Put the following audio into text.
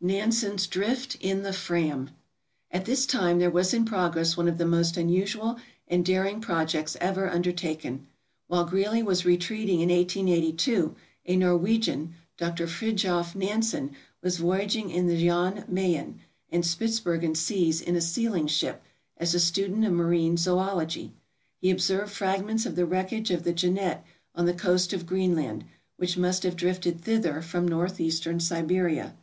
Nansen's Drift in the "Fram" At this time there was in progress one of the most unusual and daring projects ever undertaken. While Greely was re treating in 1882, a Norwegian, Dr. Fridtjof Nansen, was voyag ing in the Jan Mayen and Spitzbergen seas in a sealing ship, as a student of marine zoology. He observed fragments of the wreckage of the "Jeannette" on the coast of Greenland, which must have drifted thither from northeastern Siberia.